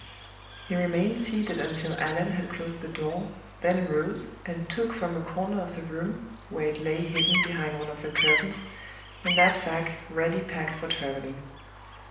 He remained seated until Allan had closed the door, then rose, and took from a corner of the room, where it lay hidden behind one of the curtains, a knapsack ready packed for traveling.